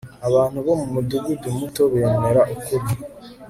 abantu bo mu mudugudu muto bemera ukuri